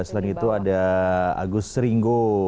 selain itu ada agus seringo